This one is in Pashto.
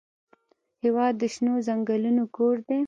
هېواد د شنو ځنګلونو کور دی.